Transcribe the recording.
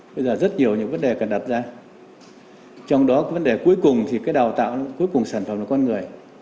bây giờ rất nhiều những vấn đề cần đặt ra trong đó cái vấn đề cuối cùng thì cái đào tạo cuối cùng sản phẩm là con người